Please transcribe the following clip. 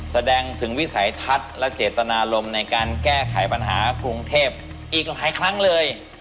แสดงถึงวิสัยทัศน์และเจตนารมณ์ในการแก้ไขปัญหากรุงเทพอีกหลายครั้งเลย